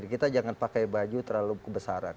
kita jangan pakai baju terlalu kebesaran